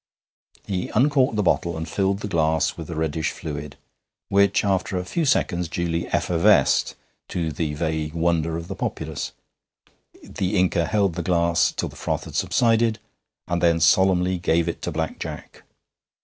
He uncorked the bottle and filled the glass with the reddish fluid, which after a few seconds duly effervesced, to the vague wonder of the populace. The Inca held the glass till the froth had subsided, and then solemnly gave it to Black Jack.